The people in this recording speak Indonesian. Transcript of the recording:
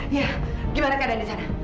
ya gimana keadaan di sana